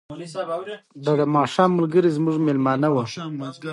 په افغانستان کې د واوره تاریخ اوږد دی.